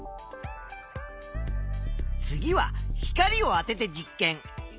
次は光をあてて実験。